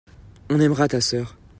on aimera ta sœur.